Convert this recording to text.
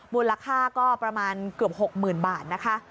มูลค่าก็ประมาณเกือบ๖๐๐๐บาทนะคะ